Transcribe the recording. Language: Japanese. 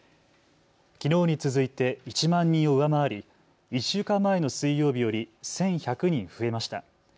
きのうに続いて１万人を上回り１週間前の水曜日より１１０２人増えました。